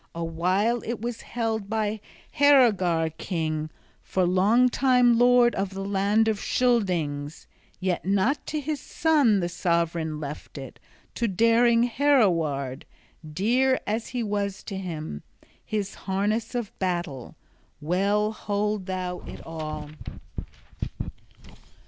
A while it was held by Heorogar king, for long time lord of the land of Scyldings; yet not to his son the sovran left it, to daring Heoroweard, dear as he was to him, his harness of battle. Well hold thou it all!"